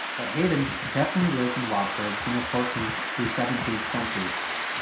But Heydons definitely lived in Watford from the fourteenth through seventeenth centuries.